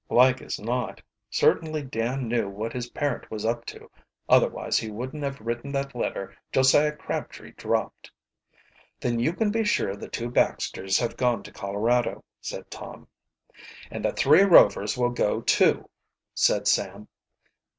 "Like as not. Certainly Dan knew what his parent was up to sotherwise he wouldn't have written that letter Josiah Crabtree dropped." "Then you can be sure the two Baxters have gone to Colorado," said Tom. "And the three Rovers will go, too," said Sam.